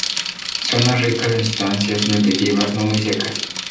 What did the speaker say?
Zonas ricas en sustancias nutritivas no muy secas.